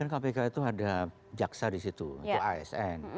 kpk itu ada jaksa di situ itu asn